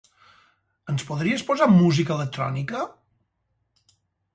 Ens podries posar música electrònica?